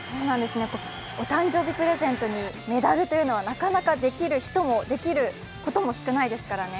お誕生日プレゼントにメダルというのは、なかなかできる人もできることも少ないですからね。